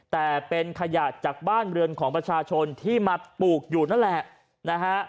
แต่เป็นขยะจากบ้านเรือนของประชาชนที่มาปลูกอยู่นั่นแหละนะฮะ